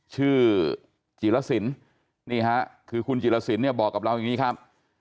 ชื่อจิลสินนี่ฮะคือคุณจิลสินเนี่ยบอกกับเราอย่างนี้ครับ